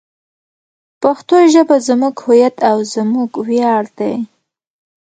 پښتو ژبه زموږ هویت او زموږ ویاړ دی.